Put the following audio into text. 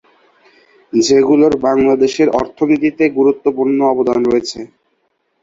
যেগুলোর বাংলাদেশের অর্থনীতিতে গুরুত্বপূর্ণ অবদান রয়েছে।